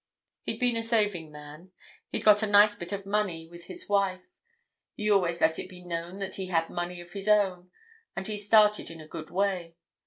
He'd been a saving man; he'd got a nice bit of money with his wife; he always let it be known that he had money of his own, and he started in a good way.